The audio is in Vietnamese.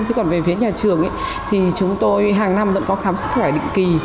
thế còn về phía nhà trường thì chúng tôi hàng năm vẫn có khám sức khỏe định kỳ